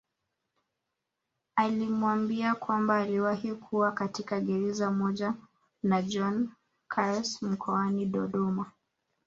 Alimwambia kwamba aliwahi kuwa katika gereza moja na John Carse mkoani Dodoma